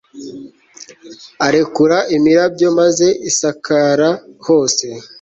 arekura imirabyo, maze isakara hose